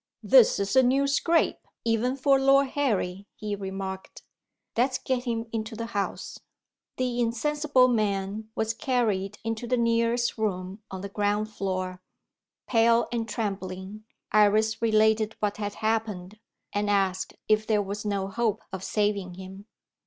"This is a new scrape, even for Lord Harry," he remarked. "Let's get him into the house." The insensible man was carried into the nearest room on the ground floor. Pale and trembling, Iris related what had happened, and asked if there was no hope of saving him.